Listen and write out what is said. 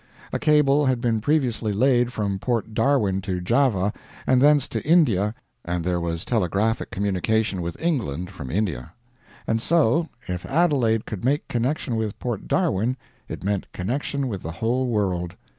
A cable had been previously laid from Port Darwin to Java and thence to India, and there was telegraphic communication with England from India. And so, if Adelaide could make connection with Port Darwin it meant connection with the whole world.